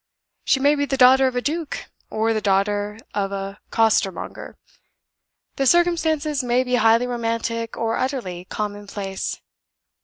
She may be the daughter of a duke, or the daughter of a costermonger. The circumstances may be highly romantic, or utterly commonplace.